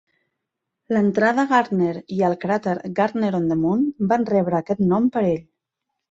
L'entrada Gardner i el cràter "Gardner on the Moon" van rebre aquest nom per ell.